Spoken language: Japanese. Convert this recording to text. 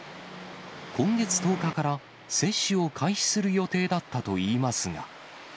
今月１０日から接種を開始する予定だったといいますが。